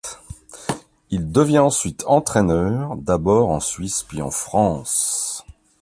Il devient ensuite entraîneur, d'abord en Suisse, puis en France.